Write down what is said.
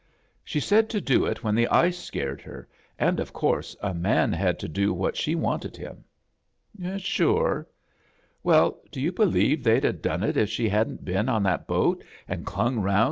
"She said to do it when the ice scared het, an' of course a man had to do what she wanted him." "Sure." "Well, do you believe they'd 'a' done it if she hadn't been on that boat, an' clung around £.